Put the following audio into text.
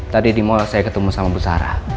tadi di mall saya ketemu sama bu sarah